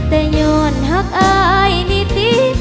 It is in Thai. แต่ย้อนหักอายนิติ